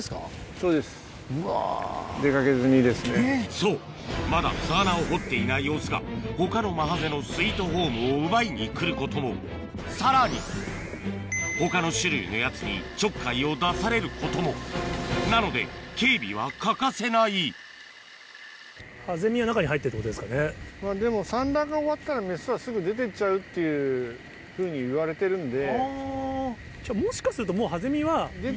そうまだ巣穴を掘っていないオスが他のマハゼのスイートホームを奪いに来ることもさらに他の種類のやつにちょっかいを出されることもなので警備は欠かせないっていうふうにいわれてるんで。